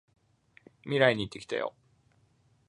未来に行ってきたよ！